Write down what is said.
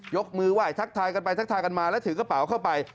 ยกมือไหว้ทักทายกันไปทักทายกันมาแล้วถือกระเป๋าเข้าไป